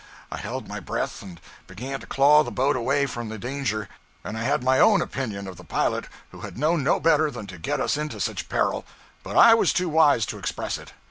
I held my breath and began to claw the boat away from the danger; and I had my own opinion of the pilot who had known no better than to get us into such peril, but I was too wise to express it.